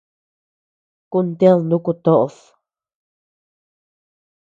Kantèd nuku toʼod.